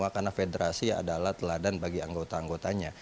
karena federasi adalah teladan bagi anggota anggotanya